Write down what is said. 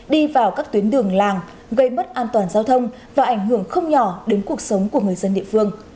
đi vào các tuyến đường làng gây mất an toàn giao thông và ảnh hưởng không nhỏ đến cuộc sống của người dân địa phương